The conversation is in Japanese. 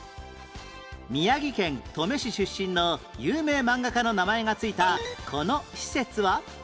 宮城県登米市出身の有名漫画家の名前が付いたこの施設は？